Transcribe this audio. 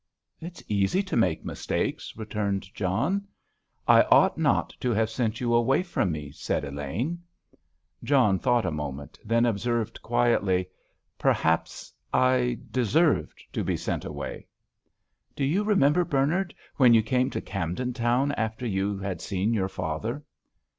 "It's easy to make mistakes," returned John. "I ought not to have sent you away from me," said Elaine. John thought a moment, then observed quietly: "Perhaps I deserved to be sent away." "Do you remember, Bernard, when you came to Camden Town after you had seen your father?"